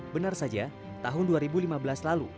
benar saja tahun dua ribu lima belas lalu